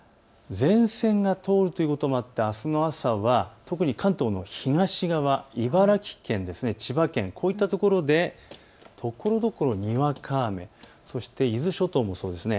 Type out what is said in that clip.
前線が通るということもあってあすの朝は特に関東の東側、茨城県、千葉県、こういったところでところどころにわか雨、伊豆諸島もそうですね。